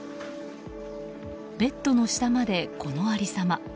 ベッドの下まで、この有り様。